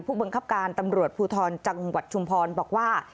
ผู้บังคับการตำรวจภูทรจังหวัดชุมพรบอกว่า